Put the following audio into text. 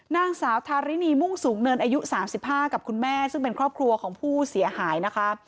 นางสาวทารินีมุ่งสูงเนินอายุ๓๕กับคุณแม่ซึ่งเป็นครอบครัวของผู้เสียหายนะคะ